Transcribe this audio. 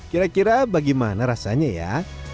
kira kira bagaimana rasanya ya